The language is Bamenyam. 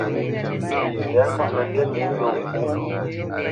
Tɛ̌ŋkaʼ nə ntə́ nǐ ndo ŋkǔ.